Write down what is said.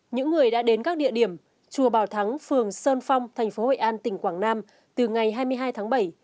những người đã đến các địa điểm chùa bảo thắng phường sơn phong tp hcm từ ngày hai mươi hai tháng bảy